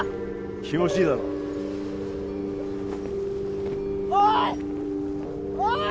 気持ちいいだろおーい！